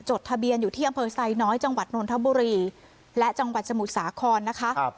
ทะเบียนอยู่ที่อำเภอไซน้อยจังหวัดนนทบุรีและจังหวัดสมุทรสาครนะคะ